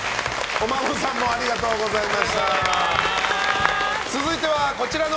お孫さんもありがとうございました。